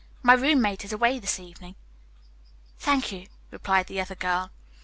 "My roommate is away this evening." "Thank you," replied the other girl.